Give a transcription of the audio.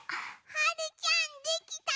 はるちゃんできた？